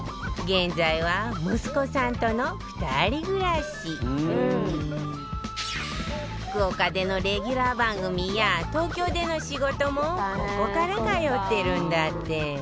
現在は息子さんとの２人暮らし福岡でのレギュラー番組や東京での仕事もここから通ってるんだって